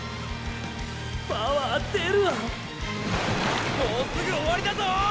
パワー出るわもうすぐ終わりだぞ！